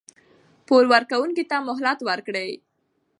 پور ورکوونکي ته مهلت ورکړئ.